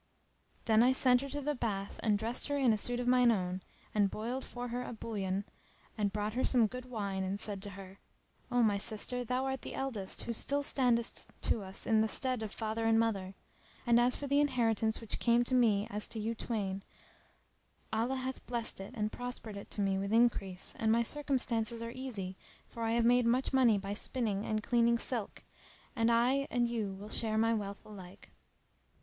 Then I sent her to the bath and dressed her in a suit of mine own, and boiled for her a bouillon and brought her some good wine and said to her, "O my sister, thou art the eldest, who still standest to us in the stead of father and mother; and, as for the inheritance which came to me as to you twain, Allah hath blessed it and prospered it to me with increase; and my circumstances are easy, for I have made much money by spinning and cleaning silk; and I and you will share my wealth alike."